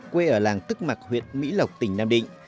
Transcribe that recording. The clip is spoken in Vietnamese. quê ở làng tức mặc huyện mỹ lộc tỉnh nam định